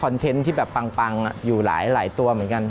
เทนต์ที่แบบปังอยู่หลายตัวเหมือนกัน